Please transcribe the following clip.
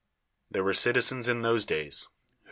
There were citizens in those days, who.